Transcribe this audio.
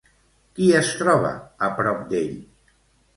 Qui es troba a prop d'ell?